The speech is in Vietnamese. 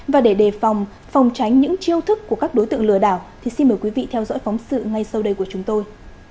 và để đề phòng phòng tránh những chiêu thức của các đối tượng lừa đảo thì xin mời quý vị theo dõi phóng sự ngay sau đây của chúng tôi